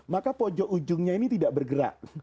maka pojok ujungnya ini tidak bergerak